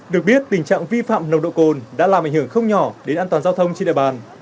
được biết tình trạng vi phạm nồng độ cồn đã làm ảnh hưởng không nhỏ đến an toàn giao thông trên địa bàn